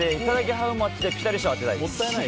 ハウマッチでピタリ賞を当てたいです。